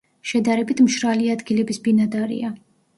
შედარებით მშრალი ადგილების ბინადარია.